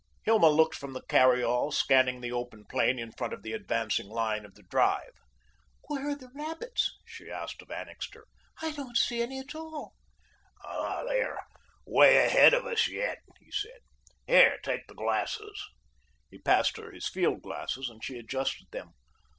Hilma looked from the carry all, scanning the open plain in front of the advancing line of the drive. "Where are the rabbits?" she asked of Annixter. "I don't see any at all." "They are way ahead of us yet," he said. "Here, take the glasses." He passed her his field glasses, and she adjusted them.